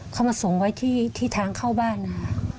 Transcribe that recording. เขามาส่งไว้ที่ทางเข้าบ้านนะคะ